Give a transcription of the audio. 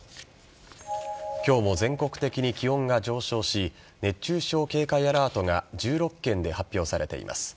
今日も全国的に気温が上昇し熱中症警戒アラートが１６県で発表されています。